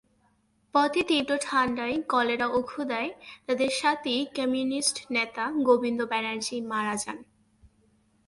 পথে তীব্র ঠান্ডায়, কলেরা ও ক্ষুধায় তাদের সাথী কমিউনিস্ট নেতা গোবিন্দ ব্যানার্জী মারা যান।